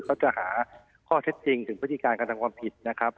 เขาจะหาข้อเท็จจริงถึงพฤติการการทำความผิดนะครับ